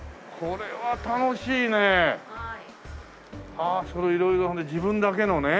ああ色々それで自分だけのね。